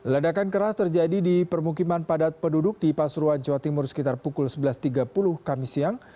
ledakan keras terjadi di permukiman padat penduduk di pasuruan jawa timur sekitar pukul sebelas tiga puluh kami siang